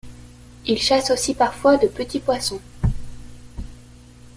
Ils chassent aussi parfois de petits poissons.